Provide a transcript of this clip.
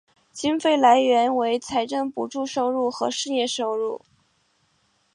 经费来源为财政补助收入和事业收入。